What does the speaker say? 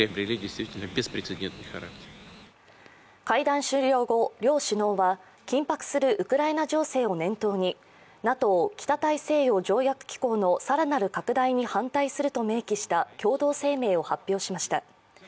会談終了後、両首脳は緊迫するウクライナ情勢を念頭にＮＡＴＯ＝北大西洋条約機構の更なる拡大に反対すると明記した共同声明を発表しました。